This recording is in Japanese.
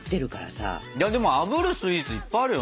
いやでもあぶるスイーツいっぱいあるよね。